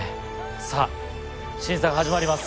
さぁ審査が始まります。